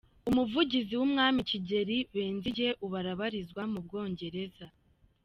Umuvugizi w’Umwami Kigeli, Benzige ubu arabarizwa mu Bwongereza